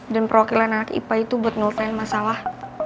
dan perwakilan anak ipa itu buat nulis masalah